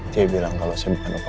dia bilang kalau saya bukan